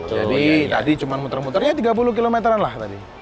jadi tadi cuma muter muter ya tiga puluh km lah tadi